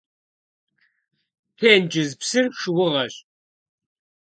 Тенджыз псыр шыугъэщ.